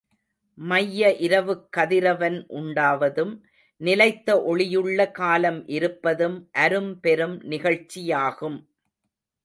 மைய இரவுக் கதிரவன் உண்டாவதும், நிலைத்த ஒளியுள்ள காலம் இருப்பதும் அரும்பெரும் நிகழ்ச்சியாகும்.